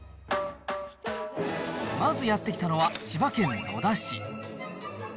まずやって来たのは、千葉県野田市。